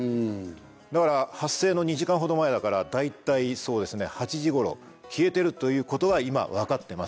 だから発生の２時間ほど前だから大体８時頃消えてるということは今分かってます。